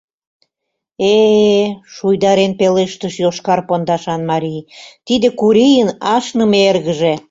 — Э-э-э, — шуйдарен пелештыш йошкар пондашан марий, — тиде Курийын ашныме эргыже...